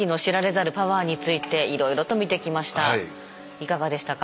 いかがでしたか？